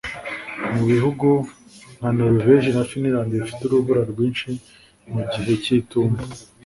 Mu bihugu nka Noruveje na Finlande bifite urubura rwinshi mu gihe cyitumba